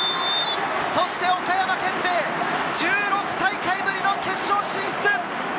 そして、岡山県勢１６大会ぶりの決勝進出！